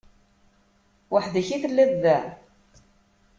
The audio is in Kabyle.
Weḥd-k i telliḍ da?